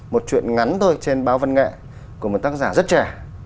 một chuyện ngắn thôi trên báo văn nghệ của một tác giả rất trẻ